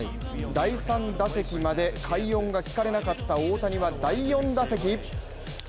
第３打席まで快音が聞かれなかった大谷は第４打席。